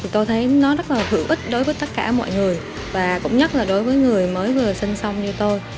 tôi thấy nó rất là hữu ích đối với tất cả mọi người và cũng nhất là đối với người mới vừa sinh xong như tôi